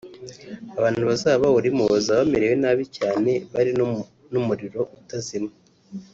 abantu bazaba bawurimo bazaba bamerewe nabi cyane bari n’umuriro utazima